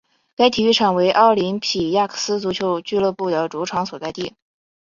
该体育场为奥林匹亚克斯足球俱乐部的主场所在地。